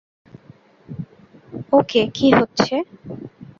ওকে, কী হচ্ছে?